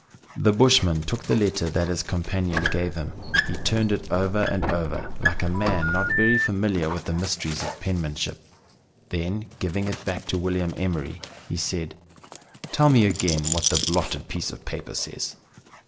The bushman took the letter that his companion gave him. He turned it over and over like a man not very familiar with the mysteries of penmanship ; then giving it back to William Emer}'', he said, " Tell me again what the blotted piece of paper says."